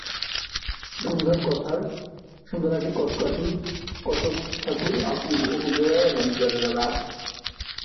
সন্ধ্যার আগে কথকঠাকুর অপুকে লাইতে আসিল।